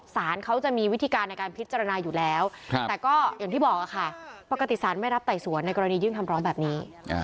สารเขาจะมีวิธีการในการพิจารณาอยู่แล้วแต่ก็อย่างที่บอกค่ะปกติสารไม่รับไต่สวนในกรณียื่นคำร้องแบบนี้